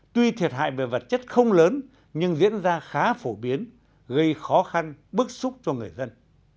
tuy thiệt hại về vật chất không lớn nhưng diễn ra khá phổ biến gây khó khăn bức xúc cho người dân